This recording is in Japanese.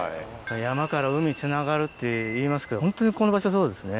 山から海つながるといいますけどホントにこの場所そうですね。